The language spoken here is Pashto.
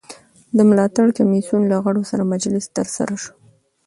د ملاتړ کمېسیون له غړو سره مجلس ترسره سو.